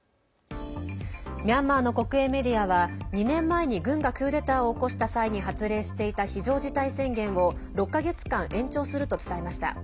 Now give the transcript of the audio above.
ミャンマーの国営メディアは２年前に軍がクーデターを起こした際に発令していた非常事態宣言を６か月間、延長すると伝えました。